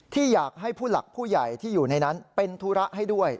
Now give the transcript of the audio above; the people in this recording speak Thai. ที่อยากให้ผู้หลักผู้ใหญ่ที่อยู่ในนั้นเป็นธุระให้ด้วย